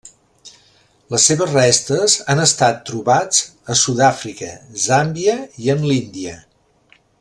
Les seves restes han estat trobats a Sud-àfrica, Zàmbia i en l'Índia.